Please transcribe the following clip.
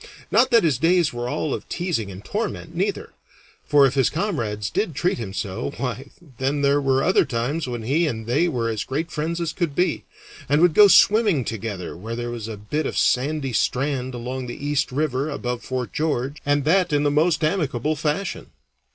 Not that his days were all of teasing and torment, neither; for if his comrades did treat him so, why, then, there were other times when he and they were as great friends as could be, and would go in swimming together where there was a bit of sandy strand along the East River above Fort George, and that in the most amicable fashion.